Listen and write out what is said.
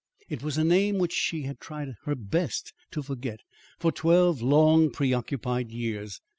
It was a name which she had tried her best to forget for twelve long, preoccupied years.